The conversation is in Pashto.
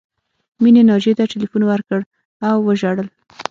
مینې ناجیې ته ټیلیفون وکړ او وژړل